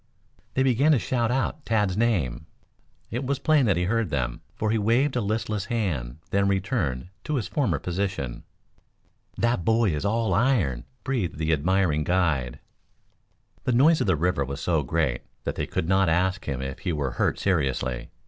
They began to shout out Tad's name. It was plain that he heard them, for he waved a listless hand then returned to his former position. "That boy is all iron," breathed the admiring guide. The noise of the river was so great that they could not ask him if he were hurt seriously.